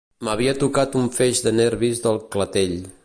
M'havia tocat un feix de nervis del clatell